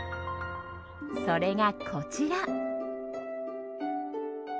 それがこちら。